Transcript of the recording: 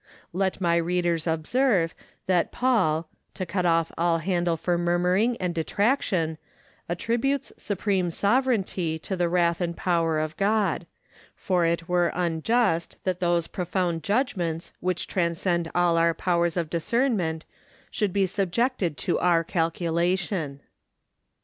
Let my readers observe that Paul, to cut off all handle for murmuring and detraction, attributes supreme sovereignty to the wrath and power of God; for it were unjust that those profound judgments which transcend all our powers of discernment should be subjected to our calculation.